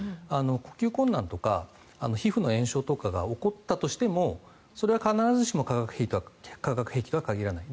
呼吸困難とか皮膚の炎症とかが起こったとしてもそれは必ずしも化学兵器とは限らない。